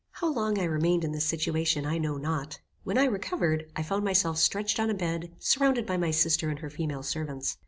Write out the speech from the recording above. How long I remained in this situation I know not. When I recovered, I found myself stretched on a bed, surrounded by my sister and her female servants.